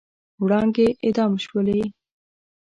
وړانګې اعدام شولې